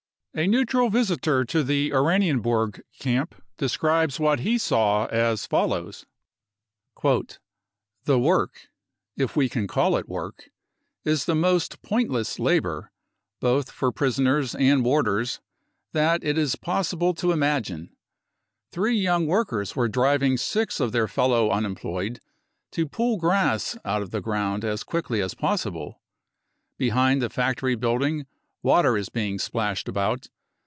A neutral visitor to the Oranienburg camp describes what he saw as follows :" The work — if we can call it work — is the most pointless labour, both for prisoners and warders, that it is possible to imagine. Three young workers were driving six of their fellow unemployed to pull grass out of the ground as quickly as possible. ... Behind the factory building water is being splashed about.